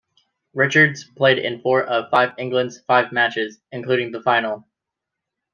Richards played in four of England's five matches, including the final.